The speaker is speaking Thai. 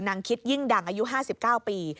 คิดยิ่งดังอายุ๕๙ปี